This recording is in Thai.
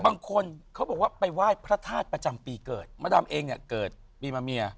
บางคนเขาบอกว่าไปไหว้พระธาตุประจำปีเกิดมาดำเองเนี่ยเกิดปีมาเมีย